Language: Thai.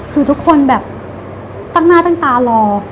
คือทุกคนแบบตั้งหน้าตั้งตารอ